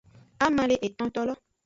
Ama le etontolo.